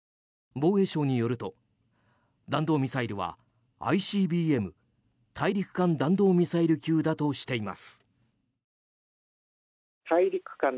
防衛省によると弾道ミサイルはＩＣＢＭ・大陸間弾道ミサイル級だとしています。